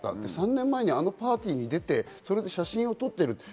３年前にはパーティーに出て写真を撮っている。